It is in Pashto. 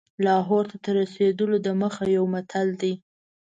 لاهور ته تر رسېدلو دمخه یو متل دی.